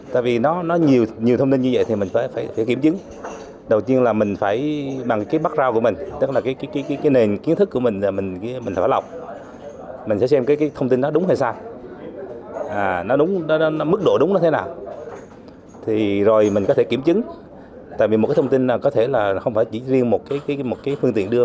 thì rồi mình có thể kiểm chứng tại vì một cái thông tin có thể là không phải chỉ riêng một cái phương tiện đưa